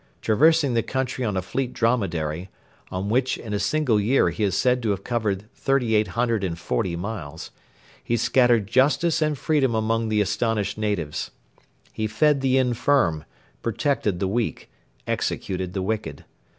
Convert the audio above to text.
Traversing the country on a fleet dromedary on which in a single year he is said to have covered 3,840 miles he scattered justice and freedom among the astonished natives. He fed the infirm, protected the weak, executed the wicked.